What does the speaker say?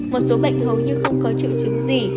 một số bệnh hầu như không có triệu chứng gì